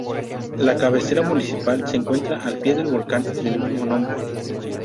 La cabecera municipal se encuentra al pie del volcán del mismo nombre.